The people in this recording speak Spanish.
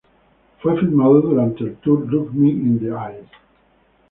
Fue filmado durante el tour Look Me In The Eyes.